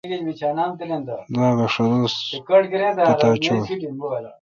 دوا بہ ݭہ دوس پتا چویں